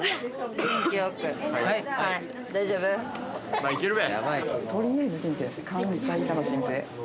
まあいけるべ！